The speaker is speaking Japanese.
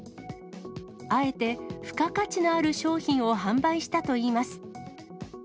あえて、付加価値のある商品を販売したといいます。